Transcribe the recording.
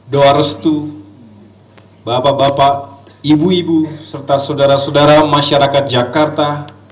doa restu bapak bapak ibu ibu serta saudara saudara masyarakat jakarta